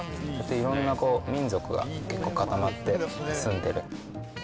いろんな民族が結構、固まって住んでる。